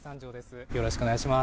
よろしくお願いします。